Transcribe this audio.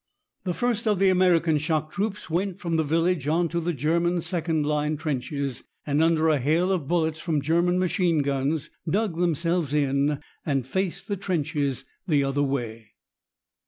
The first of the American "shock troops" went from the village on to the German second line trenches, and under a hail of bullets from German machine guns dug themselves in and faced the trenches the other way.